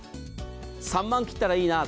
３万切ったらいいな。